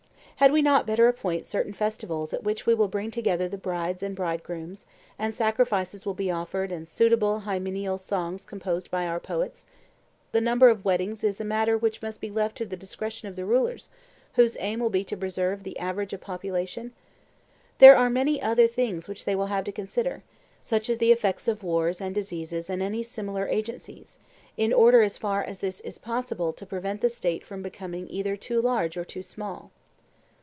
Had we not better appoint certain festivals at which we will bring together the brides and bridegrooms, and sacrifices will be offered and suitable hymeneal songs composed by our poets: the number of weddings is a matter which must be left to the discretion of the rulers, whose aim will be to preserve the average of population? There are many other things which they will have to consider, such as the effects of wars and diseases and any similar agencies, in order as far as this is possible to prevent the State from becoming either too large or too small.